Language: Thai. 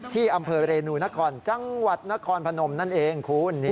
ที่อำเภอเรนูนครจังหวัดนครพนมนั่นเองคุณ